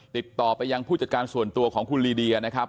ติดต่อไปยังผู้จัดการส่วนตัวของคุณลีเดียนะครับ